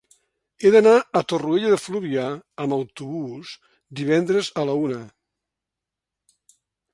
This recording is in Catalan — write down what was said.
He d'anar a Torroella de Fluvià amb autobús divendres a la una.